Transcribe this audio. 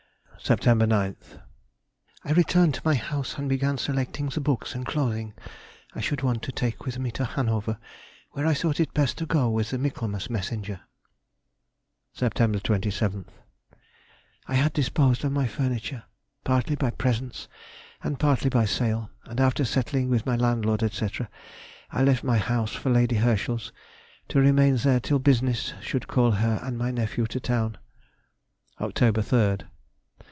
[Sidenote: 1822. Departure from England.] Sept. 9th.—I returned to my house and began selecting the books and clothing I should want to take with me to Hanover, where I thought it best to go with the Michaelmas messenger. Sept. 27th.—I had disposed of my furniture, partly by presents and partly by sale; and after settling with my landlord, &c., I left my house for Lady Herschel's, to remain there till business should call her and my nephew to town. _Oct. 3rd.